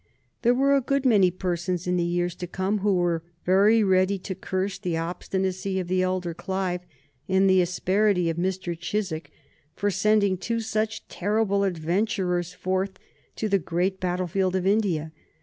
There were a good many persons in the years to come who were very ready to curse the obstinacy of the elder Clive and the asperity of Mr. Chiswick for sending two such terrible adventurers forth to the great battle field of India.